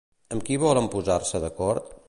Amb qui volen posar-se d'acord?